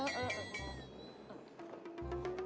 เออ